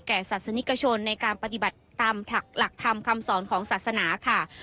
ศาสนิกชนในการปฏิบัติตามหลักธรรมคำสอนของศาสนาค่ะ